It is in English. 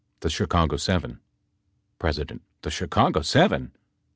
The Chicago Seven. P. The Chicago Seven